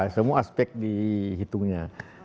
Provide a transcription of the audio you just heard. semua aspek dihitungnya